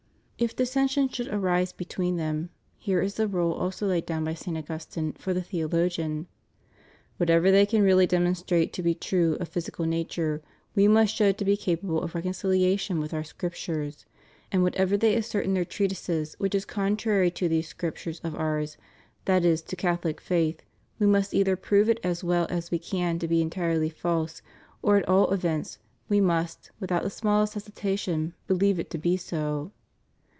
^ If dissension should arise between them, here is the rule also laid down by St. Augustine, for the theologian: "Whatever they can really demonstrate to be true of physical nature we must show to be capable of reconciliation with our Scriptures; and whatever they as sert in their treatises which is contrary to these Script ures of ours, that is to Catholic faith, we must either prove it as well as we can to be entirely false, or at all events we must, without the smallest hesitation, beUeve it to be so."